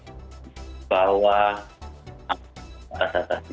apa yang terjadi pada saat ini